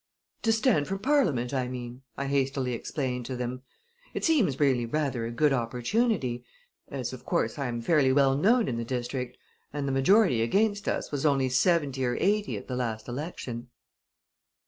"To stand for Parliament, I mean," I hastily explained to them. "It seems really rather a good opportunity as, of course, I am fairly well known in the district, and the majority against us was only seventy or eighty at the last election."